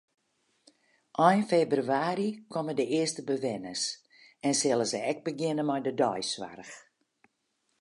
Ein febrewaarje komme de earste bewenners en sille se ek begjinne mei deisoarch.